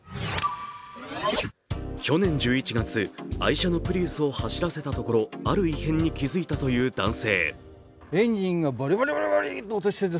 去年１１月、愛車のプリウスを走らせたところある異変に気づいたという男性。